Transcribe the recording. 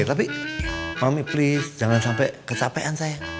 tapi mami pris jangan sampai kecapean saya